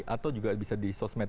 atau juga bisa di sosmed